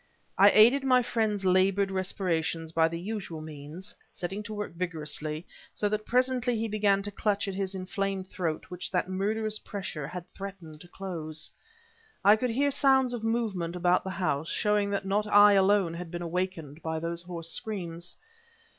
I aided my friend's labored respirations by the usual means, setting to work vigorously; so that presently he began to clutch at his inflamed throat which that murderous pressure had threatened to close. I could hear sounds of movement about the house, showing that not I alone had been awakened by those hoarse screams.